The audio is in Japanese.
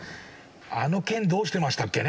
あの件どうしてましたっけね？